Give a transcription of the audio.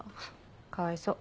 かわいそう。